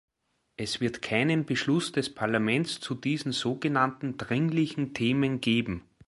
Es wird keinen Beschluss des Parlaments zu diesen so genannten dringlichen Themen geben.